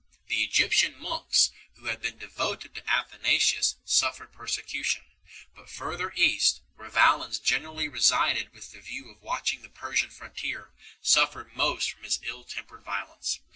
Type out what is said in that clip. The Egyptian monks, who had been devoted to Athanasius, suffered persecution. But the further East, where Valens generally resided with the view of watching the Persian frontier, suffered most from his ill tempered violence.